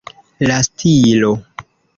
La stilo.